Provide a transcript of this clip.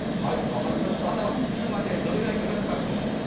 ただ、いつまで、どれぐらいかかるのかは分からないです。